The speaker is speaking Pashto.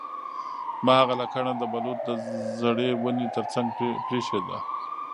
ما هغه لکړه د بلوط د زړې ونې ترڅنګ پریښې ده